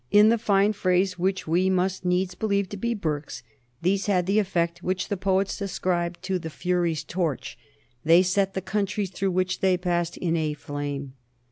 In the fine phrase which we must needs believe to be Burke's, these had the effect which the poets ascribe to the Fury's torch; they set the countries through which they passed in a flame.